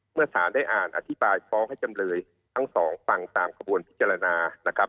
เมื่อสารได้อ่านอธิบายฟ้องให้จำเลยทั้งสองฟังตามกระบวนพิจารณานะครับ